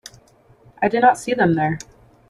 I did not see them there.